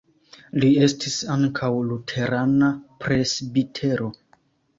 Li estis ankaŭ luterana presbitero.